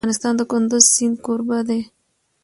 افغانستان د کندز سیند کوربه دی.